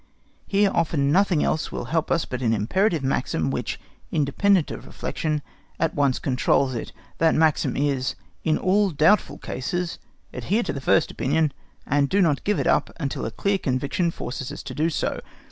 Here often nothing else will help us but an imperative maxim which, independent of reflection, at once controls it: that maxim is, in all doubtful cases to adhere to the first opinion, and not to give it up until a clear conviction forces us to do so.